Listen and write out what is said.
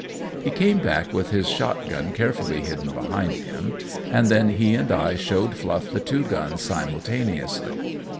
He came back with his shotgun carefully hidden behind him, and then he and I showed Fluff the two guns simultaneously.